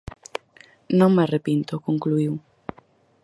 Non me arrepinto, concluíu.